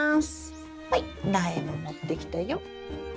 はい苗も持ってきたよ。